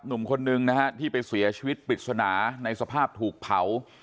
หนุ่มคนนึงนะฮะที่ไปเสียชีวิตปริศนาในสภาพถูกเผา